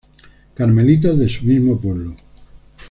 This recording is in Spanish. Carmelitas de su mismo pueblo.